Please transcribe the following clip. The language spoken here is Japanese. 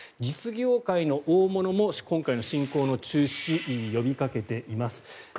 実業界の大物も今回の侵攻の中止を呼びかけています。